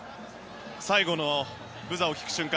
最後のブザーを聞く瞬間